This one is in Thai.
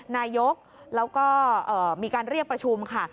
นายกแล้วก็มีการเรียกประชุมค่ะ